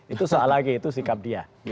itu soal lagi itu sikap dia